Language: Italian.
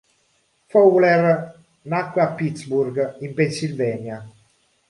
Fowler nacque a Pittsburgh, in Pennsylvania.